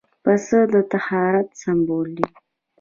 پسه د طهارت سمبول دی.